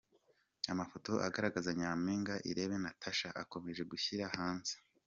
Amafoto agaragaza Nyampinga Irebe Natacha akomeje gushyira hanze .